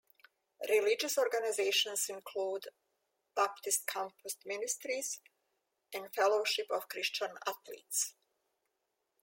Religious organizations include: Baptist Campus Ministries, and Fellowship of Christian Athletes.